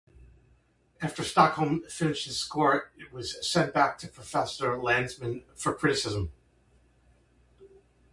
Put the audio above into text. After Stockhausen finished his score, it was sent back to Professor Landesmann for criticism.